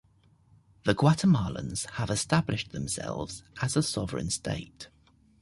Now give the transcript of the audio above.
The Guatemalans have established themselves as a sovereign state.